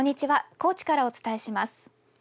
高知からお伝えします。